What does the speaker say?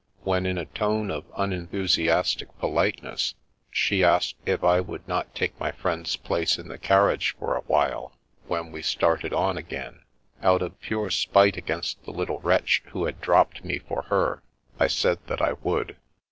When, in a tone of unenthu siastic politeness, she asked if I would not take my friend's place in the carriage for a while when we started on again, out of pure spite against the little wretch who had dropped me for her I said that I would.